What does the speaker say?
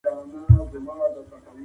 د اقليتونو حقوقو ته درناوی وکړئ.